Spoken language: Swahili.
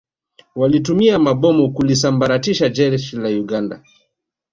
Walitumia mabomu kulisambaratisha Jeshi la Uganda